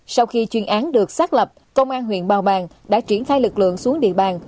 sau khi chuyên án được xác lập công an huyện bào bàng đã triển khai lực lượng xuống địa bàn